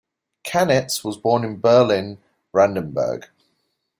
Canitz was born in Berlin, Brandenburg.